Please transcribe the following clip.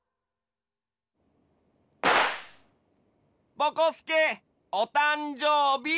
ぼこすけおたんじょうび。